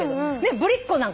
ぶりっ子なんか。